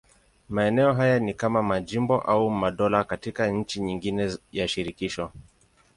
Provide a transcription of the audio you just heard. Maeneo haya ni kama majimbo au madola katika nchi nyingine ya shirikisho.